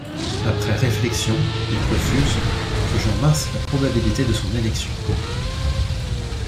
Après réflexion, il refuse, jugeant mince la probabilité de son élection.